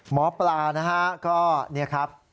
หมอปลานะฮะก็เนี่ยครับ